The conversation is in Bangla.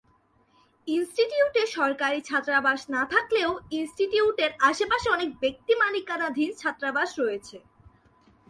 ইনস্টিটিউটে সরকারি ছাত্রাবাস না থাকলেও ইনস্টিটিউটের আশেপাশে অনেক ব্যক্তি মালিকানাধীন ছাত্রাবাস রয়েছে।